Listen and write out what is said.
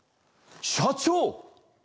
社長！